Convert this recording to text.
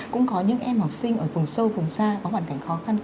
cũng có những em học sinh ở vùng sâu vùng xa có hoàn cảnh khó khăn